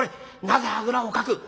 なぜあぐらをかく？」。